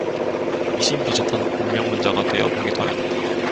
미신 비젓한 운명론자가 되어 보기도 하였다.